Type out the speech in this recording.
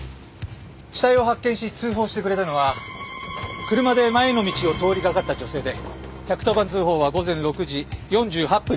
死体を発見し通報してくれたのは車で前の道を通りかかった女性で１１０番通報は午前６時４８分に入ってます。